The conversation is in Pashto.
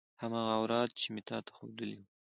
هماغه اوراد چې مې تا ته خودلي وو.